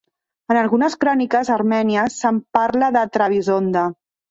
En algunes cròniques armènies se'n parla de Trebisonda.